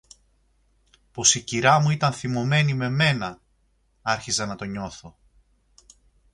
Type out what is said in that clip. Πως η κυρά μου ήταν θυμωμένη με μένα, άρχιζα να το νιώθω